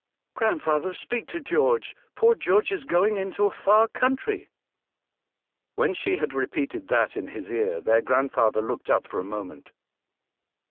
"Grandfather, speak to George; poor George is going into a far country." When she had repeated this in his ear their grandfather looked up for a moment.